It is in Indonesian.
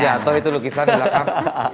sampai jatuh itu lukisan di belakang